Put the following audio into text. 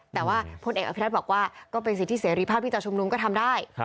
แต่ว่าพลเอกอภิรัตน์บอกว่าก็เป็นสิทธิเสรีภาพที่จะชุมนุมก็ทำได้